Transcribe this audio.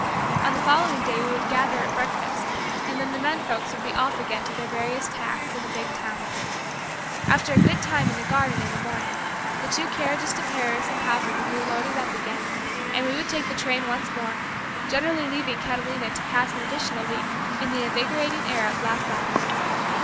On the following day we would gather at breakfast, and then the men folks would be off again to their various tasks in the big towns. After a good time in the garden in the morning, the two carriages to Paris and Havre would be loaded up again, and we would take the train once more, generally leaving Catalina to pass an additional week in the invigorating air of "Las Lilas."